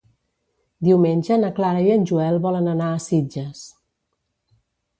Diumenge na Clara i en Joel volen anar a Sitges.